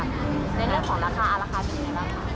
ในเรื่องของราคาราคาเป็นยังไงบ้างคะ